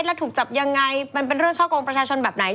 แล้วถูกจับยังไงมันเป็นเรื่องช่อกงประชาชนแบบไหน